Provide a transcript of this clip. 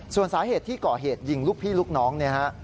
ส่วนสาเหตุที่ก่อเหตุยิงลูกพี่ลูกน้องเนี่ยฮะ